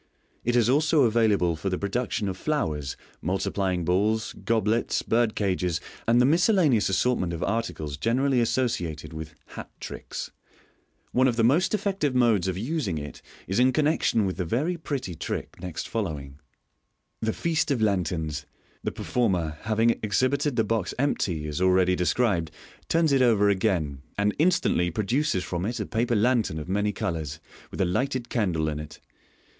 It is also available for the production of flowers,, multiplying balls (see page 307), gob^ts, bird cages, and the miscellaneous assortment of articles geneially associated with " hat " tricks. One of the most effective modes of using it is in connection with the very pretty trick next following. Fig. 230. Fig. 229. The Feast of Lanterns. — The performer, having exhibited the box empty, as already described, turns it over again, and instantly produces from it a paper lantern of many colours, with a lighted candle in it.